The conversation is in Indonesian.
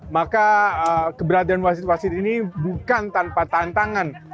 maka keberadaan wasit wasit ini bukan tanpa tantangan